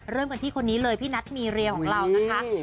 เริ่มกันที่คนนี้เลยพี่นัทมีเรียของเรานะคะ